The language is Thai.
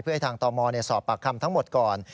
เพื่อให้ทางตมสอบปากคำทั้งหมดก่อน